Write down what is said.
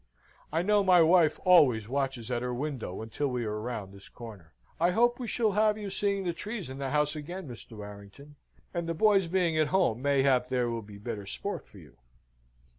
"I know my wife always watches at her window until we are round this corner. I hope we shall have you seeing the trees and the house again, Mr. Warrington; and the boys being at home, mayhap there will be better sport for you."